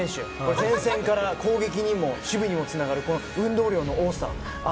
前線から攻撃にも守備にもつながる運動量の多さあ